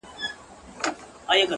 ساقي د میو ډک جامونه په نوبت وېشله!!